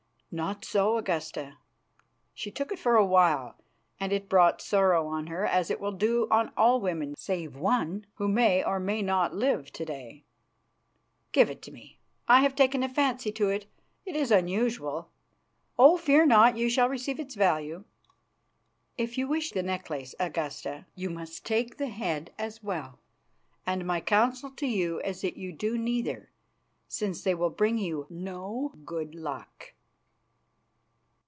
"Not so, Augusta. She took it for a while, and it brought sorrow on her, as it will do on all women save one who may or may not live to day." "Give it me. I have taken a fancy to it; it is unusual. Oh! fear not, you shall receive its value." "If you wish the necklace, Augusta, you must take the head as well; and my counsel to you is that you do neither, since they will bring you no good luck."